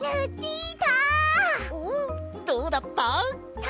おおどうだった？